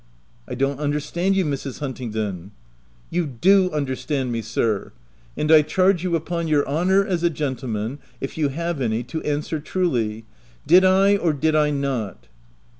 "I don't understand you, Mrs. Huntingdon/' " You do understand me, sir ; and I charge you upon your honour as a gentleman, (if you have any), to answer truly. Did I, or did I not?"